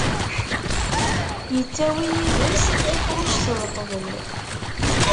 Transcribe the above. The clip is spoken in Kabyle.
Yettawi yid-s tiqwijt d ṭṭbel.